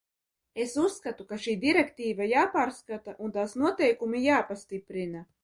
Es uzskatu, ka šī direktīva jāpārskata vēlreiz un tās noteikumi jāpastiprina.